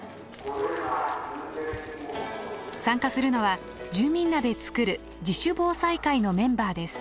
参加するのは住民らで作る自主防災会のメンバーです。